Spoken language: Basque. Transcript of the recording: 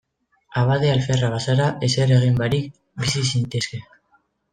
Abade alferra bazara, ezer egin barik bizi zintezke.